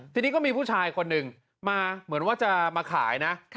ทีนี้ก็มีผู้ชายคนหนึ่งมาเหมือนว่าจะมาขายนะ